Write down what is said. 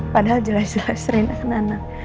padahal jelas jelas reina kena anak